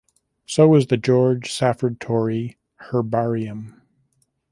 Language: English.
So is the George Safford Torrey Herbarium.